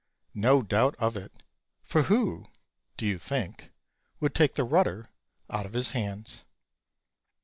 No doubt of it; for who, do you think, would take the rudder out of his hands?